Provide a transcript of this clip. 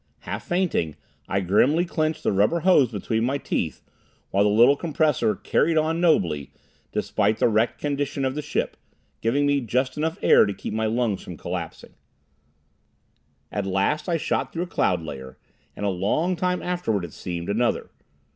Half fainting, I grimly clenched the rubber hose between my teeth, while the little compressor "carried on" nobly, despite the wrecked condition of the ship, giving me just enough air to keep my lungs from collapsing. At last I shot through a cloud layer, and a long time afterward, it seemed, another.